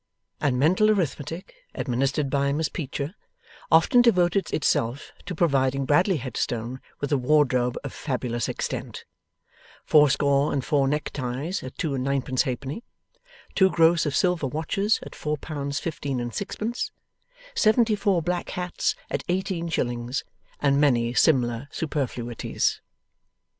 And Mental Arithmetic, administered by Miss Peecher, often devoted itself to providing Bradley Headstone with a wardrobe of fabulous extent: fourscore and four neck ties at two and ninepence halfpenny, two gross of silver watches at four pounds fifteen and sixpence, seventy four black hats at eighteen shillings; and many similar superfluities.